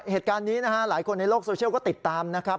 เหตุการณ์นี้นะฮะหลายคนในโลกโซเชียลก็ติดตามนะครับ